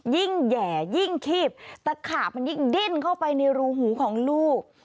ยิ่งแห่ยิ่งคีบตะขาบมันยิ่งดิ้นเข้าไปในรูหูของลูก